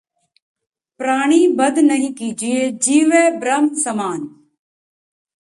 ਪ੍ਰਾਣੀ ਬਧ ਨਹਿੰ ਕੀਜਿਯਹਿ ਜੀਵਹ ਬ੍ਰਹਮ ਸਮਾਨ